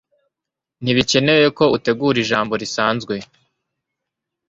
ntibikenewe ko utegura ijambo risanzwe